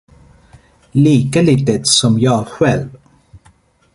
Lika litet som jag själv.